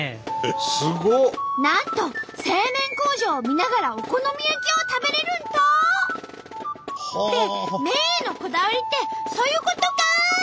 なんと製麺工場を見ながらお好み焼きを食べれるんと！って麺へのこだわりってそういうことかい！